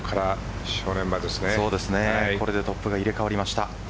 これでトップが入れ替わりました。